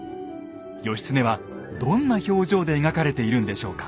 義経はどんな表情で描かれているんでしょうか？